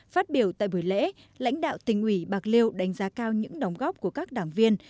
phát biểu tại buổi lễ lãnh đạo tỉnh ủy bạc liêu đánh giá cao những đóng góp của các đảng viên